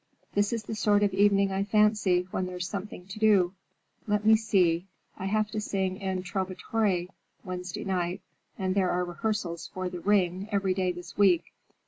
This is the sort of evening I fancy, when there's something to do. Let me see: I have to sing in 'Trovatore' Wednesday night, and there are rehearsals for the 'Ring' every day this week.